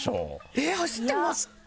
えっ走ってますっけ？